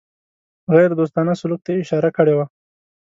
غیردوستانه سلوک ته اشاره کړې وه.